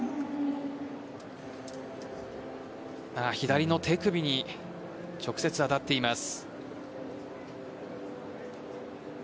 左の手首に直接当たっています。